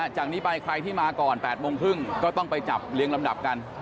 จากนี้ไปใครที่มาก่อน๘โมงครึ่งก็ต้องไปจับเรียงลำดับกัน